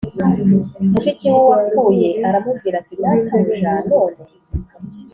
mushiki w uwapfuye aramubwira ati Databuja none